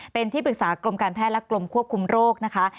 เป็นที่ปรึกษากรมการแพทย์และกรมควบคุมโรคนะคะ